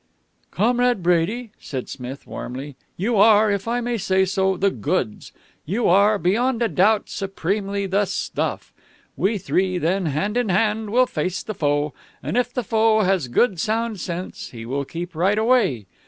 "Comrade Brady," said Smith warmly, "you are, if I may say so, the goods. You are, beyond a doubt, supremely the stuff. We three, then, hand in hand, will face the foe, and if the foe has good, sound sense, he will keep right away.